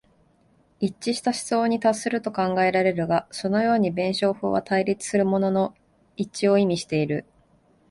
一致した思想に達すると考えられるが、そのように弁証法は対立するものの一致を意味している。